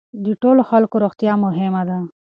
د ټولو خلکو روغتیا مهمه ده.